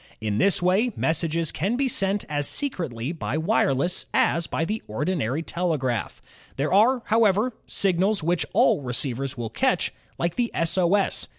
In this way, messages can be sent as secretly by wireless as by the ordinary telegraph. There are, however, signals which all receivers will catch, like the S. O. S.